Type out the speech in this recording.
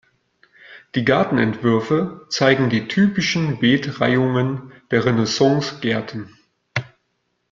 Die Garten-Entwürfe zeigen die typischen Beet-Reihungen der Renaissance-Gärten.